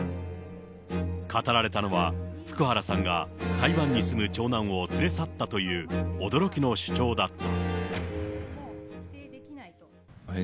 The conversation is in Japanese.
語られたのは福原さんが台湾に住む長男を連れ去ったという、驚きの主張だった。